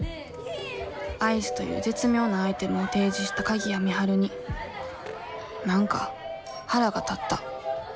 アイスという絶妙なアイテムを提示した鍵谷美晴に何か腹が立った。